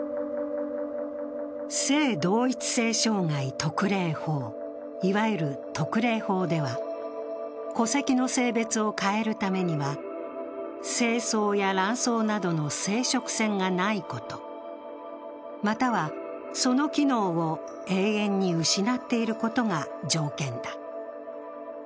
性同一性障害特例法、いわゆる特例法では戸籍の性別を変えるためには精巣や卵巣などの生殖腺がないこと、またはその機能を永遠に失っていることが条件だ。